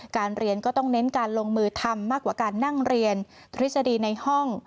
การเรียนก็ต้องเน้นการลงมือทำมากกว่าการนั่งเรียนทฤษฎีในห้อง